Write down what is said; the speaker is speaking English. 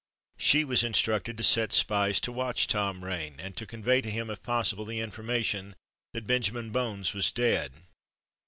She was instructed to set spies to watch Tom Rain, and to convey to him, if possible, the information that Benjamin Bones was dead.